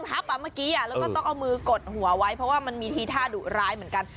แล้วก็ต้องเอามือกดหัวไว้เพราะว่ามีทีท่าหรายเหมือนกัน